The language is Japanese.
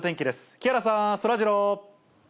木原さん、そらジロー。